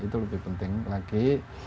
itu lebih penting lagi